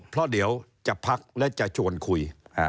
เพราะเดี๋ยวจะพักและจะชวนคุย